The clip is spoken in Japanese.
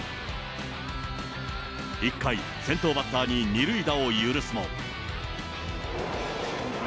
１回、先頭バッターに２塁打を許すも。